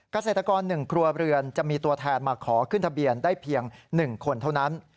เกษตรกร๑ครัวเรือนจะมีตัวแทนมาขอขึ้นทะเบียนได้เพียง๑คนเท่านั้น